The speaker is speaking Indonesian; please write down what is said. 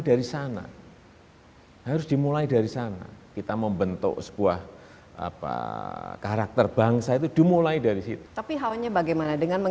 dari sana harus dimulai dari sana kita mulai dari sana maka kita harus bisa melakukan hal yang benar dan harus kita mulai dari sana kita harus dimulai dari sana kita menggunakan kemampuan dan kemampuan di dalam kemampuan yang tersebut